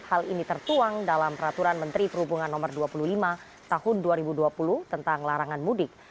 hal ini tertuang dalam peraturan menteri perhubungan no dua puluh lima tahun dua ribu dua puluh tentang larangan mudik